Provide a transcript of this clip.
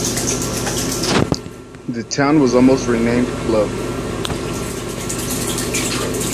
The town was almost renamed Clubb.